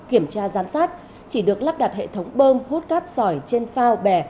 kiểm tra giám sát chỉ được lắp đặt hệ thống bơm hút cát sỏi trên phao bè